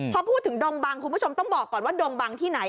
พอพูดถึงดงบังคุณผู้ชมต้องบอกก่อนว่าดงบังที่ไหน